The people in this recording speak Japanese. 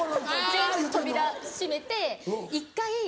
全部扉閉めて一回。